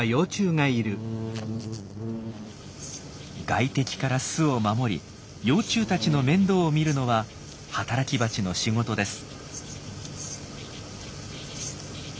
外敵から巣を守り幼虫たちの面倒を見るのは働きバチの仕事です。